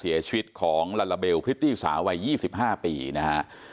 เสียชีวิตของลาลาเบลพริตตี้สาววัย๒๕ปีนะฮะ